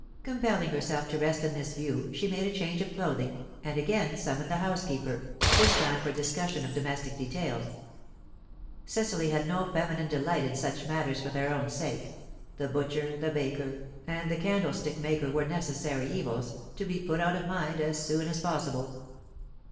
Compelling herself to rest in this view, she made a change of clothing, and again summoned the housekeeper, this time for discussion of domestic details. Cecily had no feminine delight in such matters for their own sake; the butcher, the baker, and the candlestick maker were necessary evils, to be put out of mind as soon as possible.